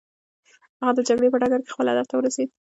هغه د جګړې په ډګر کې خپل هدف ته ورسېد.